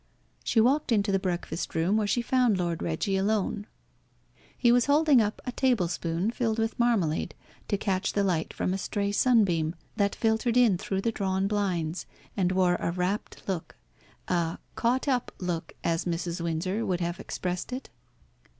She walked into the breakfast room, where she found Lord Reggie alone. He was holding up a table spoon filled with marmalade to catch the light from a stray sunbeam that filtered in through the drawn blinds, and wore a rapt look, a "caught up" look, as Mrs. Windsor would have expressed it.